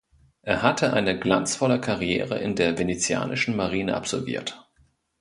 Er hatte eine glanzvolle Karriere in der venezianischen Marine absolviert.